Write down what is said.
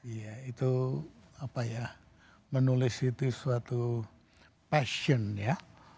iya itu apa ya menulis itu suatu passion ya